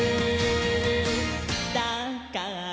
「だから」